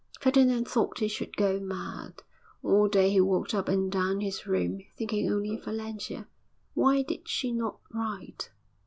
Ferdinand thought he should go mad. All day he walked up and down his room, thinking only of Valentia. Why did she not write?